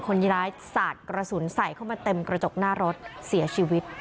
คนร้ายสาดกระสุนใส่เข้ามาเต็มกระจกหน้ารถเสียชีวิต